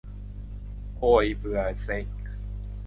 โอ่ย เบื่อ เซ็ง